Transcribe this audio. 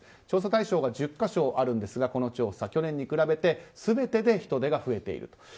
調査対象が１０か所あるんですがこの調査去年に比べて全てで人出が増えている。